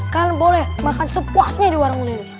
kalian boleh makan sepuasnya di warung lilis